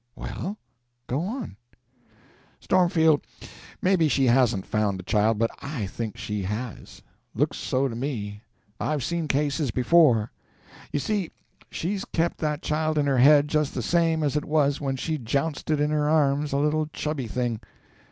"Well? Go on." "Stormfield, maybe she hasn't found the child, but I think she has. Looks so to me. I've seen cases before. You see, she's kept that child in her head just the same as it was when she jounced it in her arms a little chubby thing.